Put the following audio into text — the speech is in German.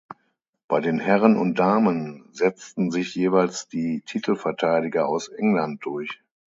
Bei den Herren und Damen setzten sich jeweils die Titelverteidiger aus England durch.